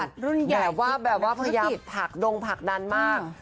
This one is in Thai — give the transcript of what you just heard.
แบบว่าแบบว่าพยายามหยิบผักดงผลักดันมาก